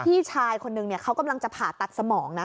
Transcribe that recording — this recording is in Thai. พี่ชายคนนึงเขากำลังจะผ่าตัดสมองนะ